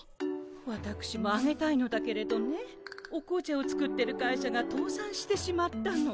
わたくしもあげたいのだけれどねお紅茶を作ってる会社がとうさんしてしまったの。